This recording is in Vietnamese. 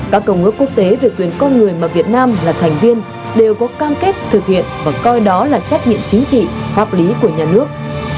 các công ước quốc tế về quyền con người mà việt nam là thành viên đều có cam kết thực hiện và coi đó là trách nhiệm chính trị pháp lý của nhà nước